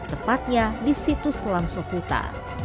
tepatnya di situs selam soputa